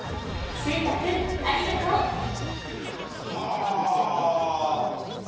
仙太くんありがとう！はあ。